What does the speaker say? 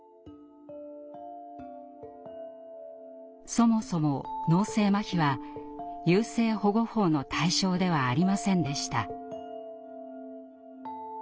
そもそも脳性まひは優生保護法の対象ではありませんでした。